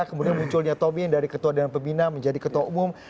kemudian munculnya tomm dari ketua dan pembina menjadi ketua umum